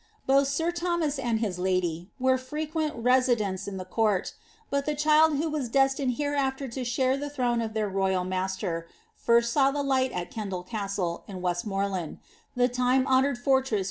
* Both sir Thomas and his lady were frequent residents in the court ; but the child who was destined hereafter to share the throne of their royal master, first saw the light at Kendal Castle, in Westmoreland, the time honoured fortress which bad * Dugdale.